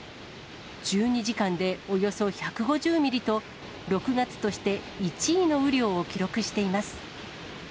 １２時間でおよそ１５０ミリと、６月として１位の雨量を記録しています。